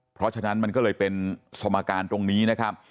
เพราะฉะนั้นมันก็เลยเป็นสมการตรงนี้นะครับ